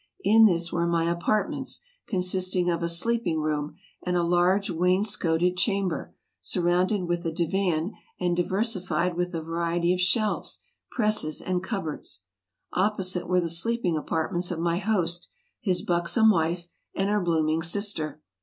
In this were my apartments, consisting of a sleeping room and a large wainscoted chamber, sur rounded with a divan and diversified with a variety of shelves, presses, and cupboards. Opposite were the sleeping apart ments of my host, his buxom wife, and her blooming sister.